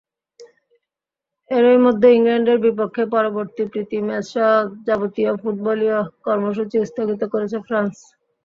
এরই মধ্যে ইংল্যান্ডের বিপক্ষে পরবর্তী প্রীতি ম্যাচসহ যাবতীয় ফুটবলীয় কর্মসূচি স্থগিত করেছে ফ্রান্স।